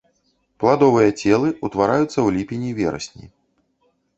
Пладовыя целы ўтвараюцца ў ліпені-верасні.